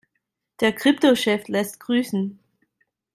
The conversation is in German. Der Kryptochef lässt grüßen.